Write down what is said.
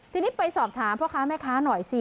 ทีนี้ไปสอบถามพ่อค้าแม่ค้าหน่อยสิ